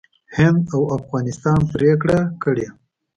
هند او افغانستان پرېکړه کړې